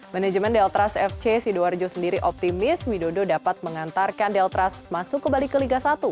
manajemen deltras fc sidoarjo sendiri optimis widodo dapat mengantarkan deltras masuk kembali ke liga satu